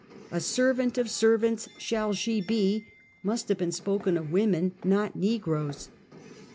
" A servant of servants shall she be," must have been spoken of women, not negroes.